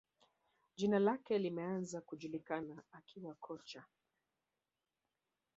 Jina lake limeanza kujulikana akiwa kocha